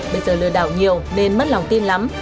bây giờ lừa đảo nhiều nên mất lòng tin lắm